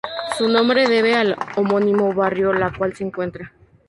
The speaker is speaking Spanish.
Su nombre debe al homónimo barrio la cual se encuentra.